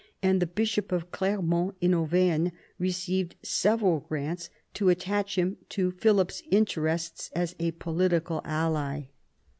And the bishop of Clermont in Auvergne received several grants to attach him to Philip's interests as a political ally.